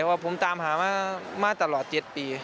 เพราะว่าผมตามหามาตลอด๗ปี